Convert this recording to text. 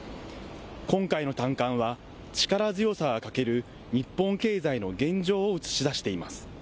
今回の短観は、力強さが欠ける日本経済の現状を映し出しています。